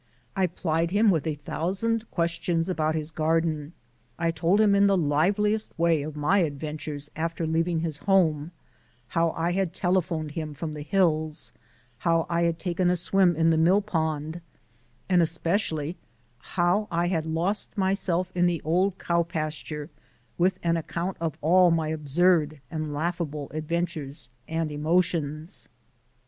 I plied him with a thousand questions about his garden. I told him in the liveliest way of my adventures after leaving his home, how I had telephoned him from the hills, how I had taken a swim in the mill pond, and especially how I had lost myself in the old cowpasture, with an account of all my absurd and laughable adventures and emotions.